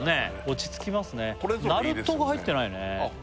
なるとが入ってないねあっ